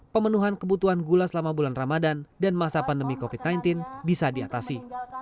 pemenuhan kebutuhan gula selama bulan ramadan dan masa pandemi covid sembilan belas bisa diatasi